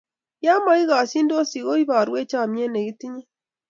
ya makikashindosi ko ibarwech chamiet ne kitinye